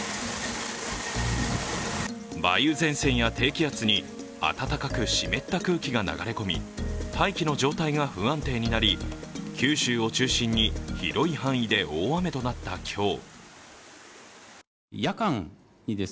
梅雨前線や低気圧に暖かく湿った空気が流れ込み、大気の状態が不安定になり、九州を中心に広い範囲で大雨となった今日。